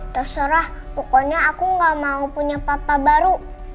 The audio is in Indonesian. terserah pokoknya aku gak mau punya papa baru